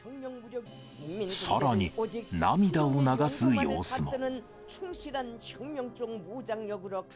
さらに、涙を流す様子も。